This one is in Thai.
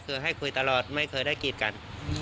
คือให้คุยตลอดไม่เคยได้กีดกัน